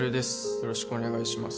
よろしくお願いします